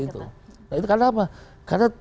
itu nah itu karena apa karena